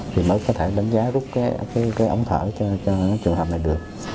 thì mới có thể đánh giá rút cái ống thở cho trường hợp này được